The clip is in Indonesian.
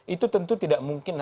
itu tentu tidak mungkin